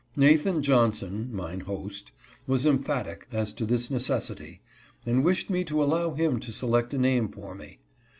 Nathan Johnson, mine host, was emphatic as to this necessity, and wished me to allow him to select a name for me.